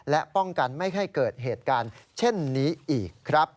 และป้องกันไม่ให้เกิดเหตุการณ์เช่นนี้อีกครับ